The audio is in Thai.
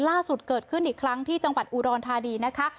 ล่าสุดเกิดขึ้นอีกครั้งที่จังหวัดอุดรธานีนะคะ